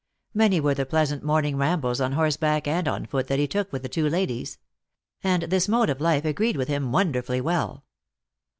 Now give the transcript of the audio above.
Many were the pleasant morning rambles on horseback and on foot that he took with the two ladies ; and this mode of life agreed with him wonderfully well.